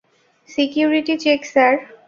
Security check, sir.